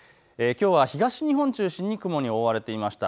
きょうは東日本を中心に雲に覆われていました。